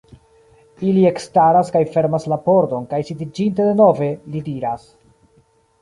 Li ekstaras kaj fermas la pordon kaj sidiĝinte denove, li diras: